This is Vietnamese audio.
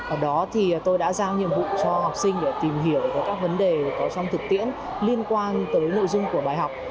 ở đó thì tôi đã giao nhiệm vụ cho học sinh để tìm hiểu các vấn đề có trong thực tiễn liên quan tới nội dung của bài học